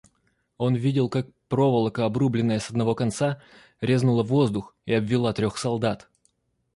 Он видел, как проволока, обрубленная с одного конца, резнула воздух и обвила трех солдат.